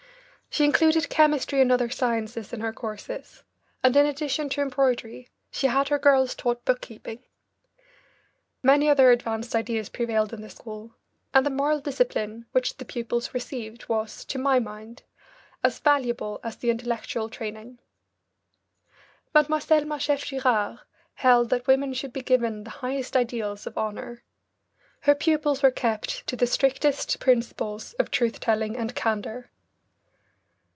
She included chemistry and other sciences in her courses, and in addition to embroidery she had her girls taught bookkeeping. Many other advanced ideas prevailed in this school, and the moral discipline which the pupils received was, to my mind, as valuable as the intellectual training. Mlle. Marchef Girard held that women should be given the highest ideals of honour. Her pupils were kept to the strictest principles of truth telling and candour.